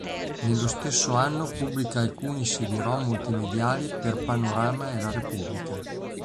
Nello stesso anno pubblica alcuni Cd Rom multimediali per Panorama e la Repubblica.